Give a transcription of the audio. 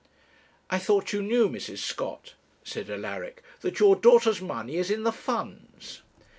'I thought you knew, Mrs. Scott,' said Alaric, 'that your daughter's money is in the funds.'